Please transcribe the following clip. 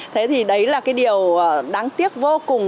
thế thì đấy là cái điều đáng tiếc vô cùng